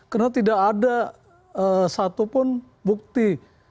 karena tidak ada satu pun bukti